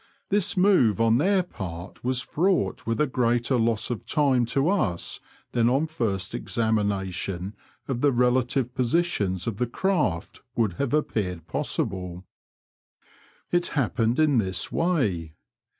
This move on their part was fraught with a greater loss of time to us than on a first examination of the relative positions of the craft would have appeared possible. It happened in this way.